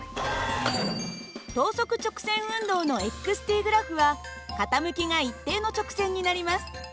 等速直線運動の−ｔグラフは傾きが一定の直線になります。